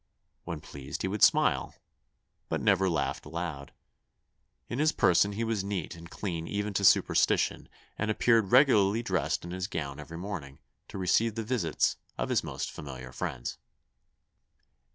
When pleased he would smile, but never laughed aloud.... In his person he was neat and clean even to superstition, and appeared regularly dressed in his gown every morning, to receive the visits of his most familiar friends."